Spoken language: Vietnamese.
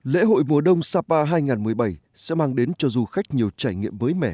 lễ hội mùa đông sapa hai nghìn một mươi bảy sẽ mang đến cho du khách nhiều trải nghiệm mới mẻ